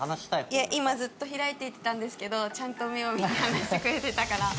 いや今ずっと開いていってたんですけどちゃんと目を見て話してくれてたから。